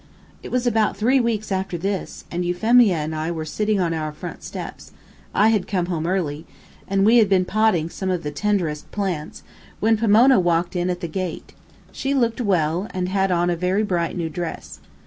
It was about three weeks after this, and Euphemia and I were sitting on our front steps, I had come home early, and we had been potting some of the tenderest plants, when Pomona walked in at the gate. She looked well, and had on a very bright new dress.